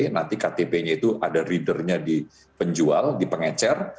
nanti ktp nya itu ada readernya di penjual di pengecer